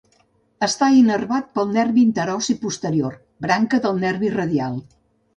Està innervat pel nervi interossi posterior, branca del nervi radial.